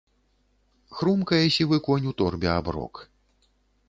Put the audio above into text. Хрумкае сівы конь у торбе аброк.